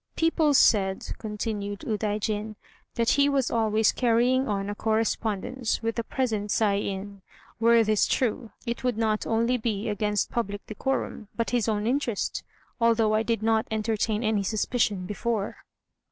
"People said," continued Udaijin, "that he was always carrying on a correspondence with the present Saiin. Were this true, it would not only be against public decorum, but his own interest; although I did not entertain any suspicion before."